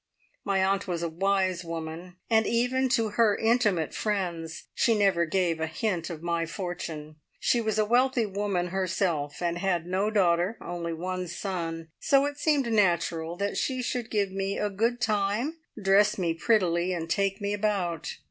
My aunt was a wise woman, and even to her intimate friends she never gave a hint of my fortune. She was a wealthy woman herself, and had no daughter, only one son, so it seemed natural that she should give me a good time, dress me prettily, and take me about.